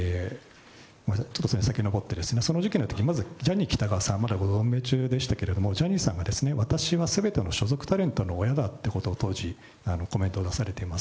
ちょっと先にのぼって、まだジャニー喜多川さんはまだご存命中でしたけれども、ジャニー喜多川さんが、私はすべての所属タレントの親だってことを当時、コメントを出されています。